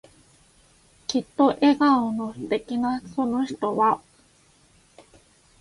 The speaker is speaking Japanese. きっと笑顔の素敵なその人は、